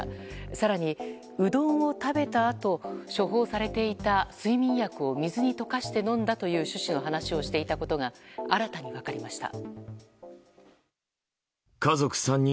更に、うどんを食べたあと処方されていた睡眠薬を水に溶かして飲んだという趣旨の話をしていたことが新たに分かりました。